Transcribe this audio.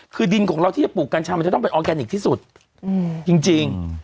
คือดินของเราที่จะปลูกกัญชามันจะต้องเป็นออร์แกนิคที่สุดจริง